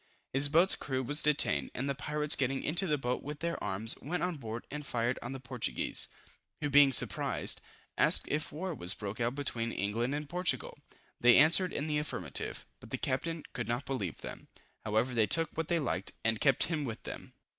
His boat's crew was detained, and the pirates getting into his boat with their arms, went on board and fired on the Portuguese, who being surprised, asked if war was broke out between England and Portugal? They answered in the affirmative, but the captain could not believe them. However they took what they liked, and kept him with them.